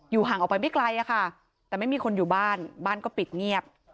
ห่างออกไปไม่ไกลค่ะแต่ไม่มีคนอยู่บ้านบ้านก็ปิดเงียบ